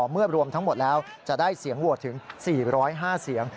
เมื่อรวมทั้งหมดแล้วจะได้เสียงโหวตถึง๔๐๕เสียง